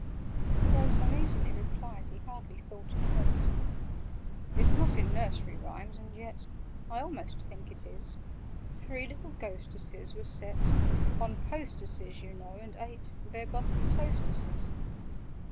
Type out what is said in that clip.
(The Ghost uneasily replied He hardly thought it was). "It's not in Nursery Rhymes? And yet I almost think it is— 'Three little Ghosteses' were set 'On posteses,' you know, and ate Their 'buttered toasteses.